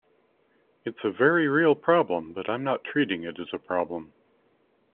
It's a very real problem, but I'm not treating it as a problem.